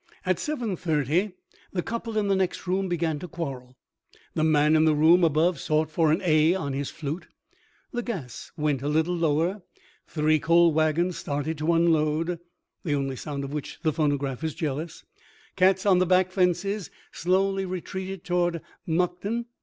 At 7:30 the couple in the next room began to quarrel: the man in the room above sought for A on his flute; the gas went a little lower; three coal wagons started to unload—the only sound of which the phonograph is jealous; cats on the back fences slowly retreated toward Mukden.